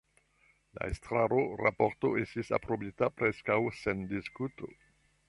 La estrara raporto estis aprobita preskaŭ sen diskuto.